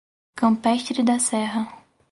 Campestre da Serra